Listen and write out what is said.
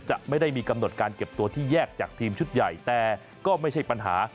จะไม่ได้มีกำหนดการเก็บตัวที่แยกจากทีมชุดใหญ่แต่ก็ไม่ใช่ปัญหา